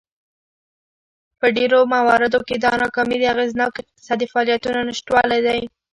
په ډېرو مواردو کې دا ناکامي د اغېزناکو اقتصادي فعالیتونو نشتوالی دی.